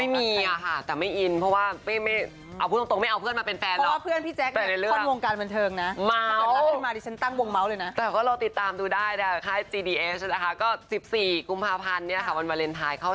ไม่รู้ว่าจะกล้าบอกหรือเปล่า